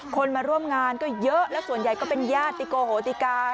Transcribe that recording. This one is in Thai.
คนมาร่วมงานก็เยอะแล้วส่วนใหญ่ก็เป็นญาติโกโหติกา